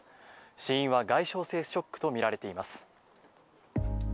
死因は外傷性ショックとみられています。